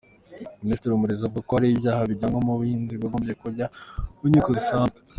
Minisitiri Murekezi avuga ko hari ibyaha bijyanwa mu bunzi byakagombye kujya mu nkiko zisanzwe.